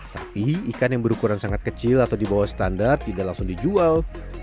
tapi ikan yang berukuran sangat kecil atau dibawal standar tidak langsung dijual